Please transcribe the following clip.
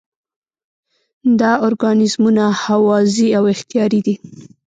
دا ارګانیزمونه هوازی او اختیاري دي.